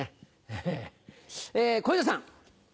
え小遊三さん。